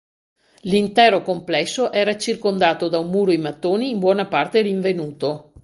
L'intero complesso era circondato da un muro in mattoni in buona parte rinvenuto.